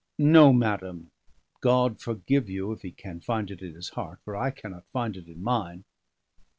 No, madam! God forgive you, if He can find it in His heart; for I cannot find it in mine."